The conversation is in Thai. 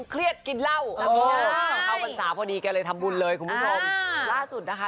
เครียดกินเหล้าวันศาพรุ่งนี้ก็เลยทำบุญเลยของมันสุดนะคะ